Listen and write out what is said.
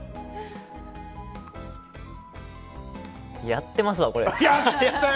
やってますわ、これ。